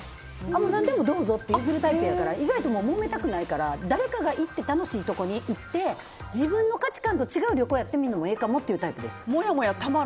どうぞって譲るタイプやから誰とももめたくないから楽しいところに行って自分の価値観と違う旅行やってみるのもええかもっていうタイプです。